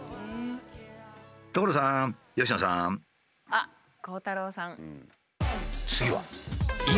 あっ鋼太郎さん。